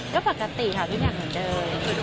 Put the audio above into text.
ก็ปกติค่ะเป็นอย่างเหมือนเดิม